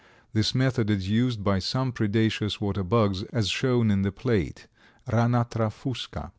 This method is used by some predaceous water bugs, as shown in the plate, Ranatra fusca.